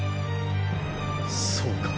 そうか。